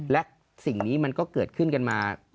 และสิ่งนี้มันก็เกิดขึ้นกันมา